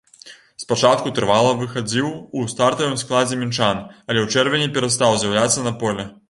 Спачатку трывала выхадзіў у стартавым складзе мінчан, але ў чэрвені перастаў з'яўляцца на полі.